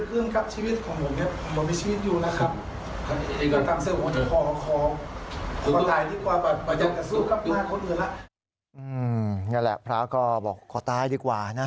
อื้มงั้นแหละพระก็บอกขอต้ายดีกว่านะ